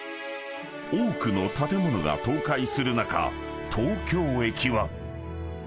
［多くの建物が倒壊する中東京駅は］